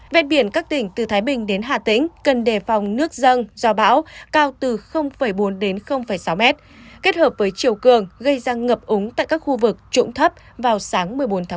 ven biển các tỉnh từ thái bình đến hà tĩnh cần đề phòng nước dân do bão cao từ bốn đến sáu mét kết hợp với chiều cường gây ra ngập úng tại các khu vực trụng thấp vào sáng một mươi bốn tháng một mươi